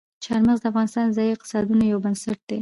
چار مغز د افغانستان د ځایي اقتصادونو یو بنسټ دی.